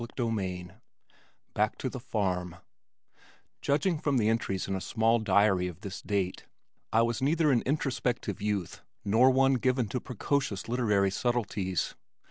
CHAPTER XVIII Back to the Farm Judging from the entries in a small diary of this date, I was neither an introspective youth nor one given to precocious literary subtleties.